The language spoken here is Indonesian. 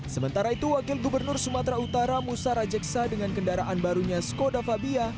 sementara itu wakil gubernur sumatera utara musa rajeksa dengan kendaraan barunya skoda fabia